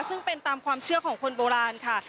ซึ่งเป็นตามความเชื่อของคนโบราณค่ะ